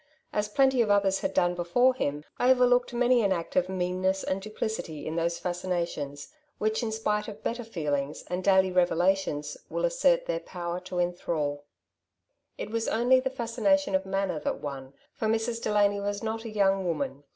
^ plenty of others had done before him, overlooked many an act of meanness and duplicity in those fascinations, which, in spite of better feelings, and daily revelations, will assert their power to enthral. . It was only the fascination of manner that won, for Mrs. Delany was not a young woman.